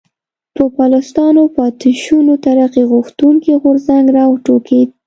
د پوپلستانو پاتې شونو ترقي غوښتونکی غورځنګ را وټوکېد.